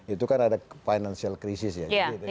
itu kan ada financial crisis ya